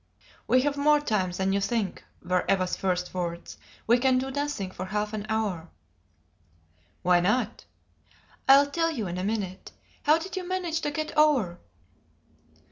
"We have more time than you think," were Eva's first words. "We can do nothing for half an hour." "Why not?" "I'll tell you in a minute. How did you manage to get over?"